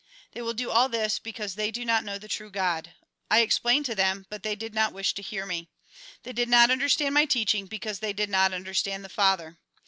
They will do all this, because they do not know the true God. I explained to them, but they did not wish to hear me. They did not understand my teaching, because they did not understand the Father.